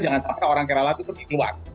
jangan sampai orang kerala itu pergi ke luar